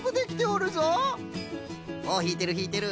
おっひいてるひいてる！